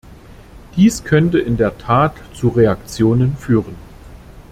Dies könnte in der Tat zu Reaktionen führen.